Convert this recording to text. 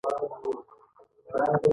په ده ځکه ددې غوښې بوی بد لګي.